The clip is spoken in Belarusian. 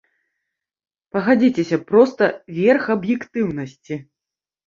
Пагадзіцеся, проста верх аб'ектыўнасці.